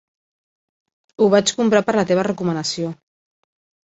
Ho vaig comprar per la teva recomanació.